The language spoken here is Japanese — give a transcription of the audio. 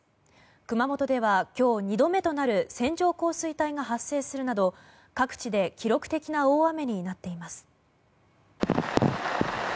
熊本では今日２度目となる線状降水帯が発生するなど各地で記録的な大雨になっています。